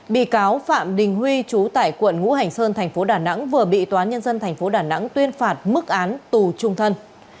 bị cáo phạm đình huy chú tải quận ngũ hành sơn tp đà nẵng vừa bị toán nhân dân tp đà nẵng tuyên phạt mức án tù trung thân